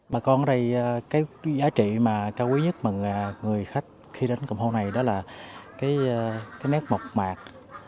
mà con ở đây cái giá trị mà cao quý nhất mừng người khách khi đến cồn hô này đó là cái mét mọc mạc